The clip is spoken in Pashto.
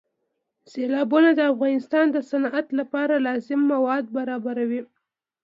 سیلابونه د افغانستان د صنعت لپاره لازم مواد برابروي.